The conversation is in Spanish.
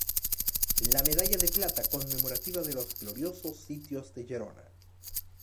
La medalla de plata conmemorativa de los Gloriosos sitios de Gerona.